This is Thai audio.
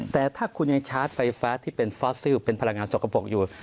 แต่ถ้าคุณยังชาร์จไฟฟ้าที่เป็นฟอสซิลเป็นพลังงานสกปรกอยู่